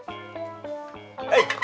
eh bangun kau